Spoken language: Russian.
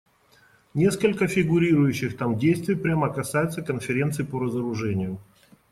Несколько фигурирующих там действий прямо касаются Конференции по разоружению.